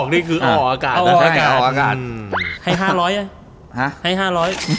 ที่บอกเอาออกนี่คือเอาอากาศเอาออกอากาศให้ห้าร้อยอ่ะฮะให้ห้าร้อย